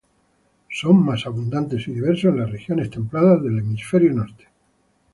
Son más abundantes y diversos en las regiones templadas del hemisferio norte.